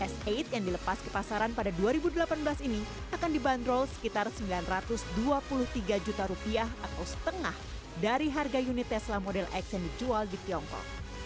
s delapan yang dilepas ke pasaran pada dua ribu delapan belas ini akan dibanderol sekitar sembilan ratus dua puluh tiga juta rupiah atau setengah dari harga unit tesla model x yang dijual di tiongkok